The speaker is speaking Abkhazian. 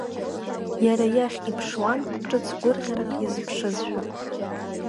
Иара иахь иԥшуан, ҿыц гәырӷьарак иазԥшызшәа.